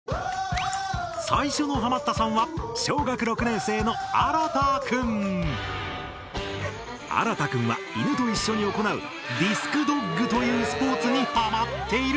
最初のハマったさんは新くんは犬と一緒に行うディスクドッグというスポーツにハマっている。